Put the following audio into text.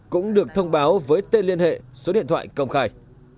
cũng được thông báo với tên liên hệ số điện thoại công khai